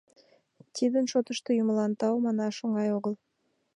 Тидын шотышто Юмылан тау манаш оҥай огыл.